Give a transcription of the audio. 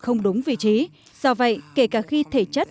không đúng vị trí do vậy kể cả khi thể chất